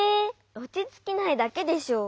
おちつきないだけでしょ。